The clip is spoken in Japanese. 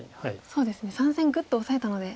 そうですね３線ぐっとオサえたので。